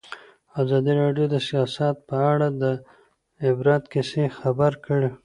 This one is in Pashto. ازادي راډیو د سیاست په اړه د عبرت کیسې خبر کړي.